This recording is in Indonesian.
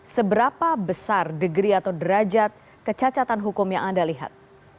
seberapa besar degree atau derajat kecacatan hukum yang anda lihat